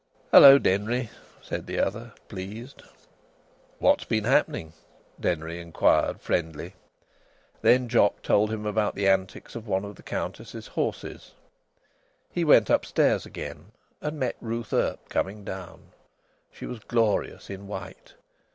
"Hello, Denry!" said the other, pleased. "What's been happening?" Denry inquired, friendly. Then Jock told him about the antics of one of the Countess's horses. He went upstairs again, and met Ruth Earp coming down. She was glorious in white.